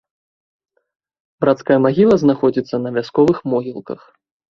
Брацкая магіла знаходзіцца на вясковых могілках.